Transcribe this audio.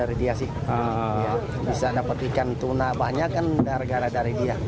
kita bisa dapat ikan tuna banyak kan dargara dari dia